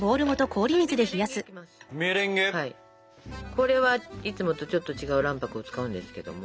これはいつもとちょっと違う卵白を使うんですけども。